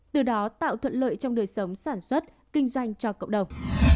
từ đó tạo thuận lợi trong đời sống sản xuất kinh doanh cho cộng đồng